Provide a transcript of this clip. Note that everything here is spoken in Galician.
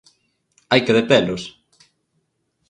Hai que detelos!